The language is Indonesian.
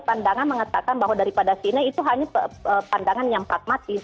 pandangan mengatakan bahwa daripada china itu hanya pandangan yang pragmatis